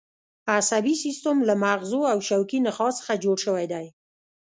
عصبي سیستم له مغزو او شوکي نخاع څخه جوړ شوی دی